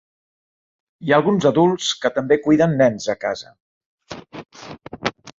Hi ha alguns adults que també cuiden nens a casa.